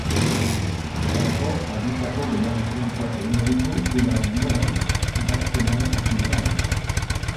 Horretarako, aldizkako deialdi publikoak egingo ditu udaren ondoren, udazkenaren hasieran.